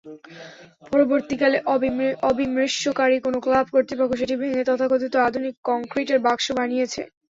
পরবর্তীকালে অবিমৃষ্যকারী কোনো ক্লাব কর্তৃপক্ষ সেটি ভেঙে তথাকথিত আধুনিক কংক্রিটের বাক্স বানিয়েছে।